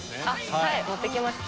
はい持って来ました。